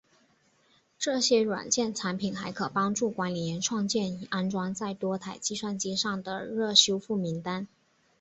这些软件产品还可帮助管理员创建已安装在多台计算机上的热修复名单。